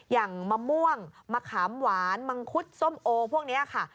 อย่างมะม่วงมะขามหวานมังคุดส้มโอพวกนี้ค่ะ